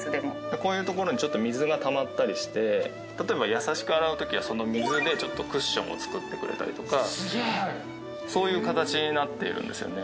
こういうところにちょっと水がたまったりして例えば優しく洗うときはその水でちょっとクッションを作ってくれたりとかそういう形になっているんですよね。